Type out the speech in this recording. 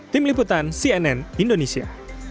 tim liputan cnn indonesia